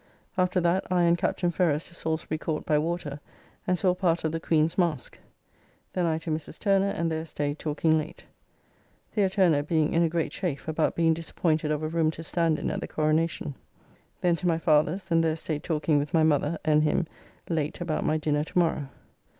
After that I and Captain Ferrers to Salisbury Court by water, and saw part of the "Queene's Maske." Then I to Mrs. Turner, and there staid talking late. The. Turner being in a great chafe, about being disappointed of a room to stand in at the Coronacion. Then to my father's, and there staid talking with my mother and him late about my dinner to morrow.